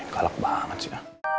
kalak banget sih